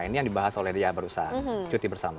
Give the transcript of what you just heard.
ini yang dibahas oleh dia barusan cuti bersama